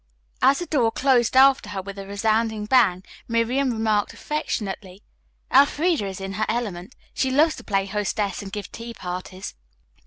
As the door closed after her with a resounding bang, Miriam remarked affectionately: "Elfreda is in her element. She loves to play hostess and give tea parties."